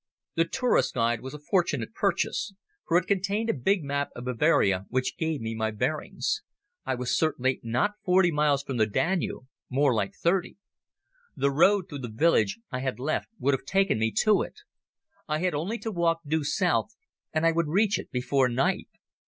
The Tourists' Guide was a fortunate purchase, for it contained a big map of Bavaria which gave me my bearings. I was certainly not forty miles from the Danube—more like thirty. The road through the village I had left would have taken me to it. I had only to walk due south and I would reach it before night.